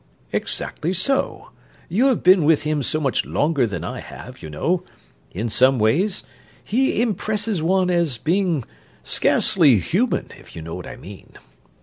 "Exactly so. You have been with him so much longer than I have, you know. In some ways he impresses one as being scarcely human, if you know what I mean.